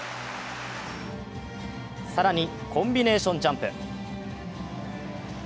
更にコンビネーションジャンプ。